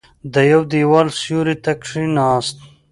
د يوه دېوال سيوري ته کېناست.